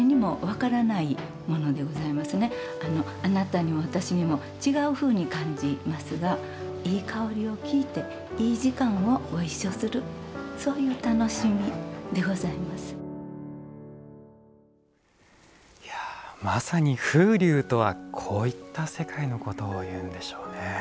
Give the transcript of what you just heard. あなたにも私にも違うふうに感じますがまさに風流とはこういった世界のことをいうんでしょうね。